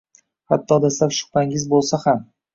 Hatto dastlab shubhangiz bo'lsa ham